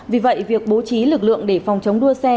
vì vậy việc bố trí lực lượng để phòng chống đua xe